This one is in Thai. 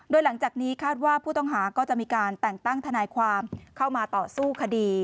โดยหลังจากนี้คาดว่าผู้ต้องหาก็จะมีการแต่งตั้งทนายความเข้ามาต่อสู้คดี